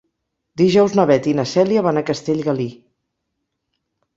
Dijous na Beth i na Cèlia van a Castellgalí.